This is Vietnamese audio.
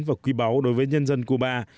và quý báu đối với nhân dân cuba